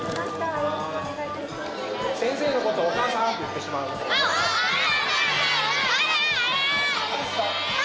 よろしくお願いいたしますあっある！